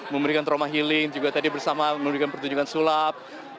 memberikan trauma healing juga tadi bersama memberikan pertunjukan sulap